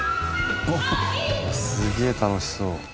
すげえ楽しそう。